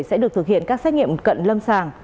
sẽ được thực hiện các xét nghiệm cận lâm sàng